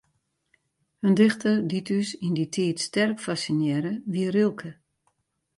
In dichter dy't ús yn dy tiid sterk fassinearre, wie Rilke.